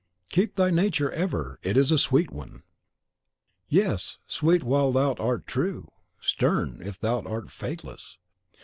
"Keep thy nature ever, it is a sweet one." "Yes, sweet while thou art true; stern, if thou art faithless.